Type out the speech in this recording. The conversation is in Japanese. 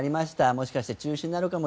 もしかして中止になるかも。